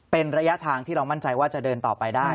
เป็นระยะทางที่เรามั่นใจว่าจะเดินต่อไปได้